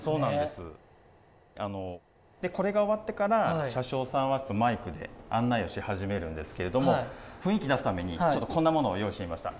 でこれが終わってから車掌さんはマイクで案内をし始めるんですけれども雰囲気出すためにちょっとこんなものを用意してみました。